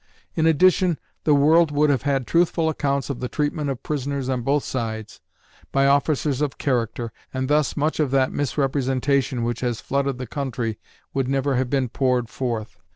In addition, the world would have had truthful accounts of the treatment of prisoners on both sides, by officers of character, and thus much of that misrepresentation which has flooded the country would never have been poured forth....